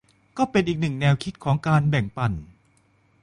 ก็เป็นอีกหนึ่งแนวคิดของการแบ่งปัน